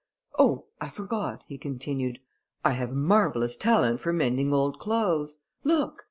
"Oh, I forgot," he continued, "I have a marvellous talent for mending old clothes. Look!"